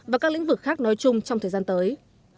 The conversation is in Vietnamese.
và các lĩnh vực khác nói chung trong thời gian tới